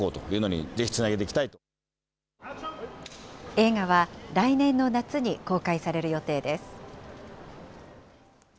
映画は来年の夏に公開される予定です。